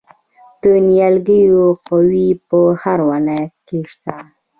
د نیالګیو قوریې په هر ولایت کې شته.